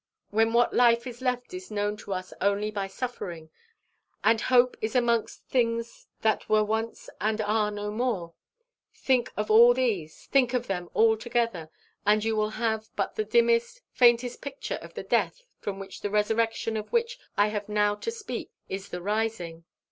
when what life is left is known to us only by suffering, and hope is amongst the things that were once and are no more think of all these, think of them all together, and you will have but the dimmest, faintest picture of the death from which the resurrection of which I have now to speak, is the rising.